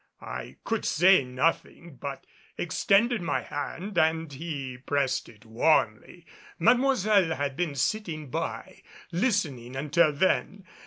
I could say nothing, but extended my hand and he pressed it warmly. Mademoiselle had been sitting by listening until then.